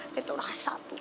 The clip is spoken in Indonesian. dan tuh rasa tuh